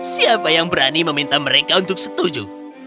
siapa yang berani meminta mereka untuk setuju